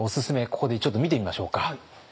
ここでちょっと見てみましょうか。